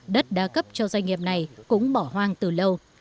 đất đá cấp cho doanh nghiệp này cũng bỏ hoang từ lâu